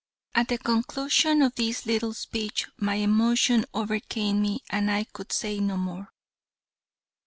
At the conclusion of this little speech my emotion overcame me and I could say no more.